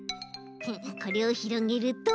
これをひろげると。